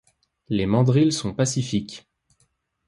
Les mandrills sont pacifiques